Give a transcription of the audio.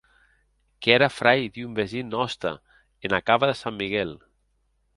Qu’ère frair d’un vesin nòste ena Cava de San Miguel.